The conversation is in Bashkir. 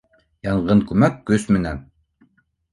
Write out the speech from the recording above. Янғын күмәк көс менән